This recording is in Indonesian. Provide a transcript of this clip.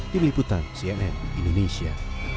tim liputan cnn indonesia